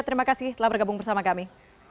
terima kasih telah bergabung bersama kami